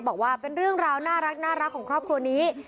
บอกว่าเป็นเรื่องราวน่ารักของครอบครัวนี้